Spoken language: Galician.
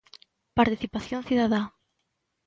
Participación cidadá.